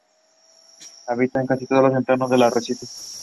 Habitan en casi todos los entornos del arrecife.